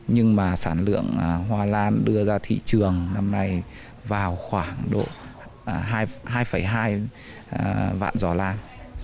nhưng mà sản lượng hoa lan đưa ra thị trường năm nay vào khoảng độ hai hai vạn giỏ lan